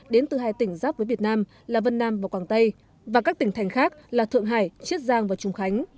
đến từ hai tỉnh giáp với việt nam là vân nam và quảng tây và các tỉnh thành khác là thượng hải chiết giang và trung khánh